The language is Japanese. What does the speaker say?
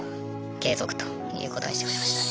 継続ということにしてくれましたね。